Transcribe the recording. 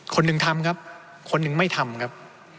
คนหนึ่งทำครับคนหนึ่งไม่ทำครับ